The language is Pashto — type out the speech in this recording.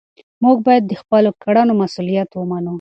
موږ باید د خپلو کړنو مسؤلیت ومنو.